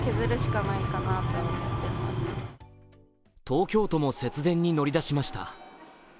東京都も節電に乗り出しました。